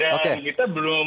dan kita belum